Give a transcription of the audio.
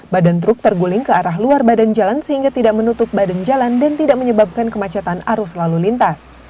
badan truk terguling ke arah luar badan jalan sehingga tidak menutup badan jalan dan tidak menyebabkan kemacetan arus lalu lintas